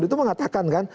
itu mengatakan kan